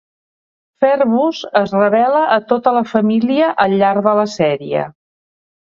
Ferbus es revela a tota la família al llarg de la sèrie.